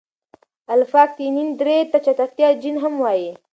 الفا اکتینین درې ته د چټکتیا جین هم وايي.